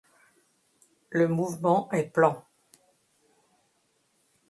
Le mouvement est plan.